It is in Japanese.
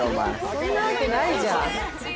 そんなわけないじゃん。